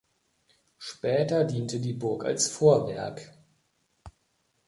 Später diente die Burg als Vorwerk.